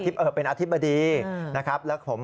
อธิบดีอ่าเป็นอธิบดีนะครับอธิบดี